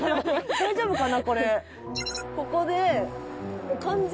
大丈夫かな？